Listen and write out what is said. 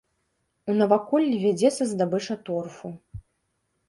У наваколлі вядзецца здабыча торфу.